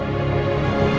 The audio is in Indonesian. silahkan kamu hopeful